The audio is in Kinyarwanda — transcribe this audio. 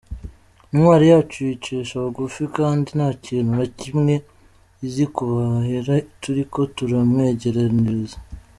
Intwari yacu yicisha bugufi kandi nta kintu na kimwe izi ku mahera turiko turamwegeraniriza.